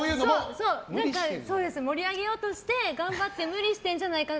そうです、盛り上げようとして頑張って無理してるんじゃないかって。